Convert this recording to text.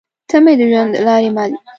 تۀ مې د ژوند د لارې مل يې